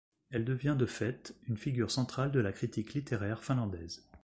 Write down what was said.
Elle devient de fait une figure centrale de la critique littéraire finlandaise.